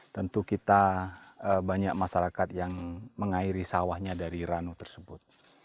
tentu kita banyak masyarakat yang mengairi sawahnya dari ranu tersebut